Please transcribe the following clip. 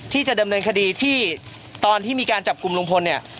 ที่จะเดิมเรือนคดีที่ตอนที่มีการจับกรุมลุงฝนน่ะ